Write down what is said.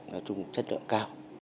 nói chung chất lượng cao